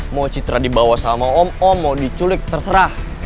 mau citra dibawa sama om om mau diculik terserah